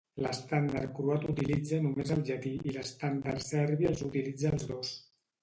L'estàndard croat utilitza només el llatí i l'estàndard serbi els utilitza els dos.